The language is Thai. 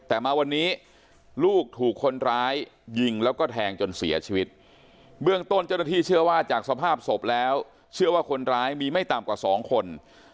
แต่มาวันนี้ลูกถูกคนร้ายยิงแล้วก็แทงจนเสียชีวิตเบื้องต้นเจ้าหน้าที่เชื่อว่าจากสภาพศพแล้วเชื่อว่าคนร้ายมีไม่ต่ำกว่าสองคน